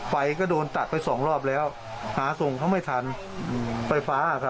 ไฟก็โดนตัดไปสองรอบแล้วหาส่งเขาไม่ทันไฟฟ้าค่ะ